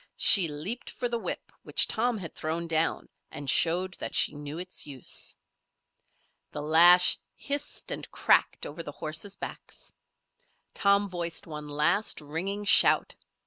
She leaped for the whip which Tom had thrown down and showed that she knew its use. The lash hissed and cracked over the horses' backs. Tom voiced one last, ringing shout.